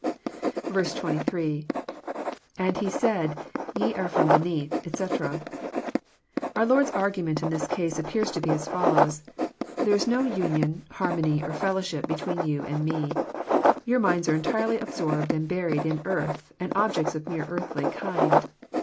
83. — {And he said, Te are from beneath, etc.'] Our Lord's argument in this case appears to be as follows :" There is no union, har mony, or fellowship between you and Me. Your minds are en tirely absorbed and buried in earth and objects of a mere earthly kind.